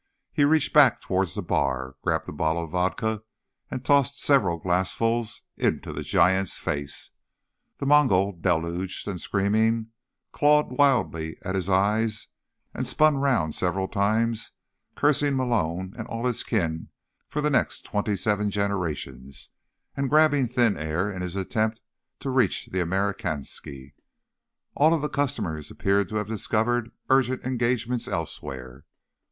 He reached back toward the bar, grabbed a bottle of vodka and tossed several glassfuls into the giant's face. The Mongol, deluged and screaming, clawed wildly at his eyes and spun round several times, cursing Malone and all his kin for the next twenty seven generations, and grabbing thin air in his attempt to reach the Amerikanski. All of the customers appeared to have discovered urgent engagements elsewhere.